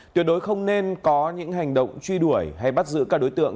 tuyệt đối không nên có những hành động truy đuổi hay bắt giữ các đối tượng